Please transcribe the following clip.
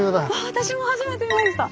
私も初めて見ました！